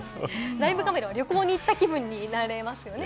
ライブカメラは旅行に行った気分になれますよね。